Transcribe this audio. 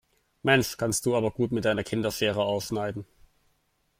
Mensch, kannst du aber gut mit deiner Kinderschere ausschneiden.